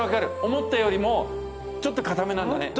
思ったよりもちょっと硬めなんだね